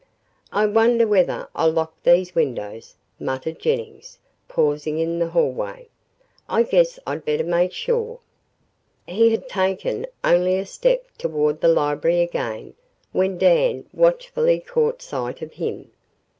"I wonder whether I locked these windows?" muttered Jennings, pausing in the hallway. "I guess I'd better make sure." He had taken only a step toward the library again, when Dan watchfully caught sight of him.